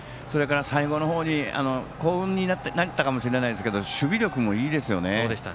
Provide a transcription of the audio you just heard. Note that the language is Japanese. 最後の方に幸運になったかもしれないんですけど守備力もいいですよね。